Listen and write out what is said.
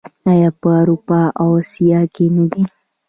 آیا په اروپا او اسیا کې نه دي؟